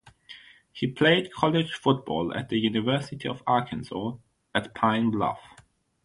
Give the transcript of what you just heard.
He played college football at the University of Arkansas at Pine Bluff.